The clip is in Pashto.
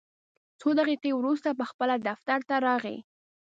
څو دقیقې وروسته پخپله دفتر ته راغی.